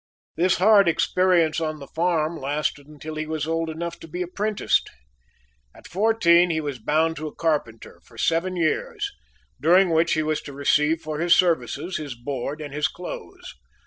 This hard experience on the farm lasted until he was old enough to be apprenticed. At fourteen he was bound to a carpenter for seven years, during which he was to receive for his services his board and his clothes.